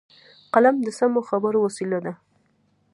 قلم د سمو خبرو وسیله ده